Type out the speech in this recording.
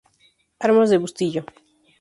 Armas de Bustillo.